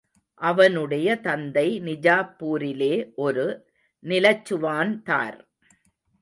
அவனுடைய தந்தை நிஜாப்பூரிலே ஒரு நிலச்சுவான்தார்.